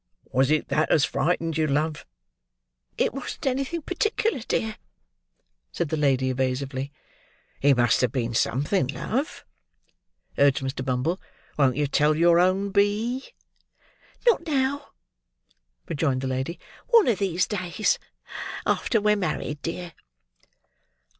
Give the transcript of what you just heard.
Was it that as frightened you, love?" "It wasn't anything particular, dear," said the lady evasively. "It must have been something, love," urged Mr. Bumble. "Won't you tell your own B.?" "Not now," rejoined the lady; "one of these days. After we're married, dear."